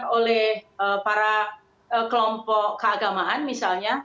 oleh para kelompok keagamaan misalnya